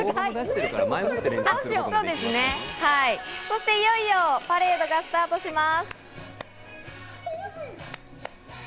そしていよいよパレードがスタートします。